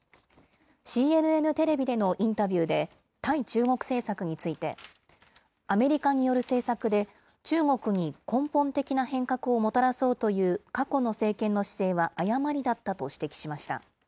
ＣＮＮテレビでのインタビューで、対中国政策について、アメリカによる政策で、中国に根本的な変革をもたらそうという過去の政権の姿勢は誤りだったと指摘しました。